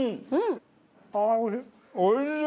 おいしい！